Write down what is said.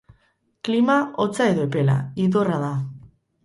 Klima, hotza edo epela, idorra da.